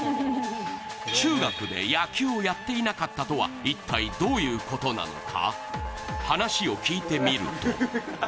中学で野球をやっていなかったとは、一体どういうことなのか。